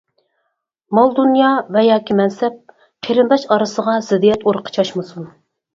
مال-دۇنيا ۋە ياكى مەنسەپ قېرىنداش ئارىسىغا زىددىيەت ئۇرۇقى چاچمىسۇن!